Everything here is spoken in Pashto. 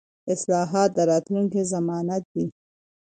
اصلاحات د راتلونکي ضمانت دي